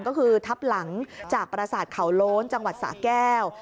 ก็คือทับหลังจากประสาทเขาโล้นจังหวัดสะแก้ว